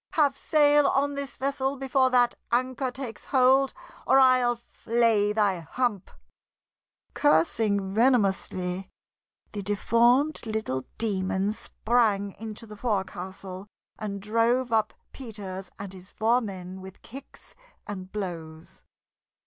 Have sail on this vessel before that anchor takes hold, or I'll flay thy hump!" Cursing venomously, the deformed little demon sprang into the forecastle and drove up Peters and his four men with kicks and blows.